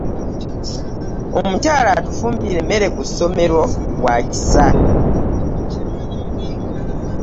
Omukyala atufumbira emmere ku ssomero e Wakisa.